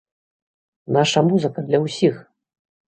Наша музыка для ўсіх!